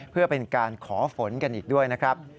เพื่อเป็นการขอฝนกันอีกด้วยนะครับ